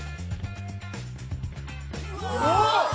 おっ！